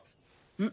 うん？